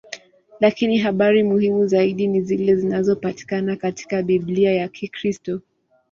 Lakini habari muhimu zaidi ni zile zinazopatikana katika Biblia ya Kikristo.